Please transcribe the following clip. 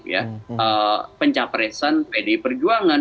ya pencapresan pdi perjuangan